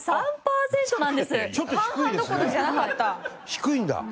低いんだ。